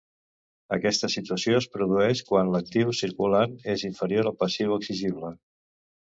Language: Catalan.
Aquesta situació es produeix quan l'actiu circulant és inferior al passiu exigible.